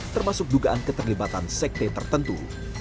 termasuk dugaan keterlibatan sekte tertentu